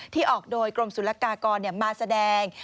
ออกโดยกรมศุลกากรมาแสดง